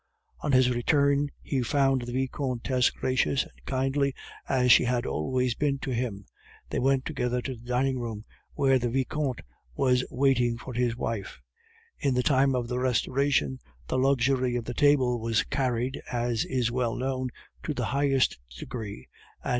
On his return he found the Vicomtesse gracious and kindly, as she had always been to him. They went together to the dining room, where the Vicomte was waiting for his wife. In the time of the Restoration the luxury of the table was carried, as is well known, to the highest degree, and M.